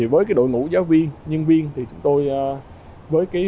với đội ngũ giáo viên nhân viên chúng tôi vẫn đang phát triển một cách tốt nhất